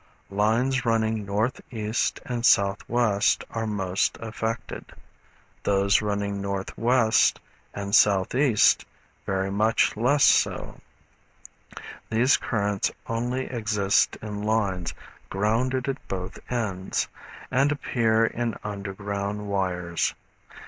Lines running N. E. and S. W. are most affected; those running N.W. and S. E. very much less so. These currents only exist in lines grounded at both ends, and appear in underground wires.